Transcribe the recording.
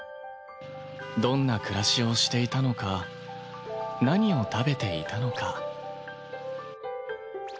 どんな暮らしをしていたのか何を食べていたのか？